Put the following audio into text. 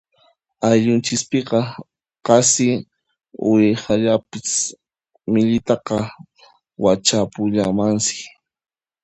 Ayllunchispiqa qasi uwihallapas millitaqa wachapullanmansi.